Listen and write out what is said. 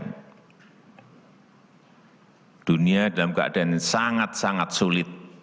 dan dunia dalam keadaan yang sangat sangat sulit